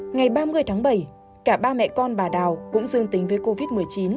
ngày ba mươi tháng bảy cả ba mẹ con bà đào cũng dương tính với covid một mươi chín